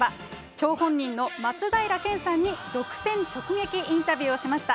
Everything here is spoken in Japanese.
張本人の松平健さんに独占直撃インタビューをしました。